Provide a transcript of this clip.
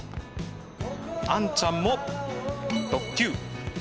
あんちゃんも特急。